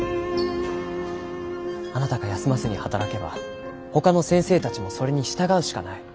あなたが休まずに働けばほかの先生たちもそれに従うしかない。